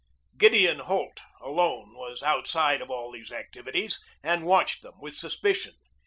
Gideon Holt alone was outside of all these activities and watched them with suspicion.